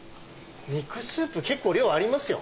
肉スープ結構量ありますよ。